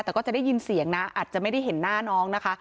แต่ก็จะได้ยินเสียงนะอาจจะไม่ได้เห็นหน้าน้องนะคะ